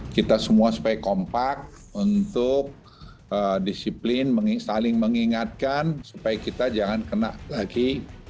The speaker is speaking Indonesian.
kita semua supaya kompak untuk disiplin saling mengingatkan supaya kita jangan kena lagi